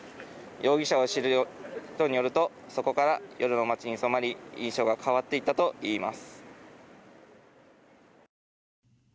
容疑者を知る人によるとそこから夜の街に染まり印象が変わっていったといいます。